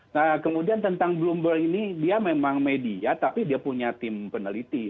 nah kemudian tentang bloomberg ini dia memang media tapi dia punya tim peneliti